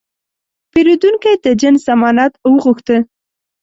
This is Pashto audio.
پیرودونکی د جنس ضمانت وغوښته.